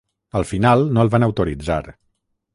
Al final no el van autoritzar.